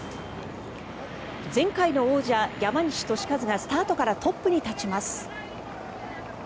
前回の王者、山西利和がスタートからトップに立ちます。